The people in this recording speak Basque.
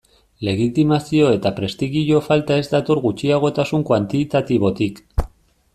Legitimazio eta prestigio falta ez dator gutxiagotasun kuantitatibotik.